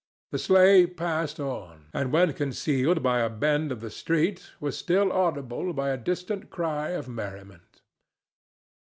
The sleigh passed on, and when concealed by a bend of the street was still audible by a distant cry of merriment.